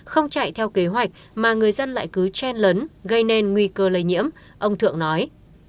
không chạy theo kế hoạch mà người dân lại cứ chen lấn gây nên nguy cơ lây nhiễm ông thượng nói